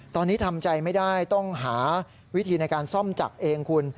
ตอนนี้ทำใจไม่ได้ต้องหาวิธีในการซ่อมจักรเองคุณ